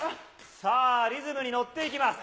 さあリズムに乗っていきます。